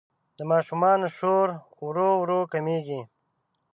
د ماشومانو شور ورو ورو کمېږي.